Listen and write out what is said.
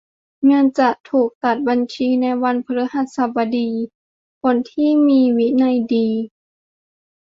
เงินจะถูกตัดบัญชีในวันพฤหัสบดี คนที่มีวินัยดี